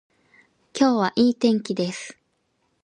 今日は良い天気です